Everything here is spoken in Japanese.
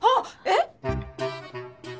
えっ！？